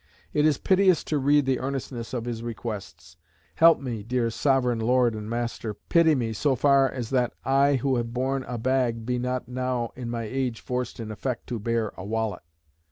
It is piteous to read the earnestness of his requests. "Help me (dear Sovereign lord and master), pity me so far as that I who have borne a bag be not now in my age forced in effect to bear a wallet."